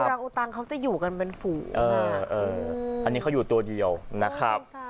รังอุตังเขาจะอยู่กันเป็นฝูงอันนี้เขาอยู่ตัวเดียวนะครับ